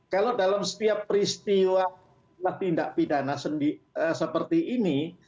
kalau dalam setiap peristiwa tindak pidana seperti ini